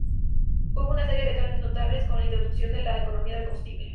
Hubo una serie de cambios notables con la introducción de la economía del combustible.